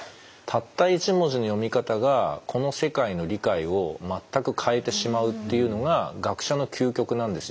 たった一文字の読み方がこの世界の理解を全く変えてしまうっていうのが学者の究極なんですよね。